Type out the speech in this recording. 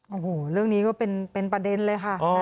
โอ้โหเรื่องนี้ก็เป็นประเด็นเลยค่ะ